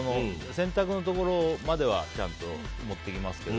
洗濯のところまではちゃんと持っていきますけど。